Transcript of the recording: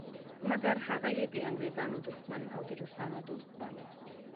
مګر هغه یې د انګریزانو دښمن او د روسانو دوست باله.